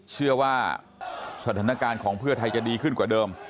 เชื่อว่าสถานการณ์ของเพื่อไทยจะดีขึ้นกว่าเดิม